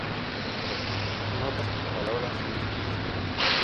En otras palabras, son esposas formales.